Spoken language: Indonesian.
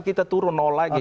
kita turun nol lagi